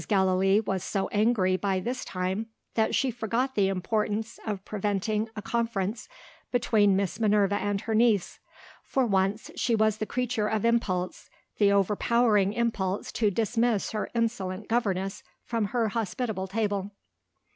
Gallilee was so angry, by this time, that she forgot the importance of preventing a conference between Miss Minerva and her niece. For once, she was the creature of impulse the overpowering impulse to dismiss her insolent governess from her hospitable table.